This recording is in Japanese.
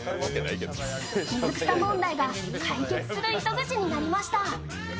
水草問題が解決する糸口になりました。